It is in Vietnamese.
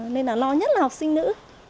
nên là lo nhất là học sinh nữ